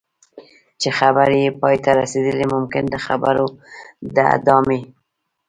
چې خبرې یې پای ته رسېدلي ممکن د خبرو د ادامې.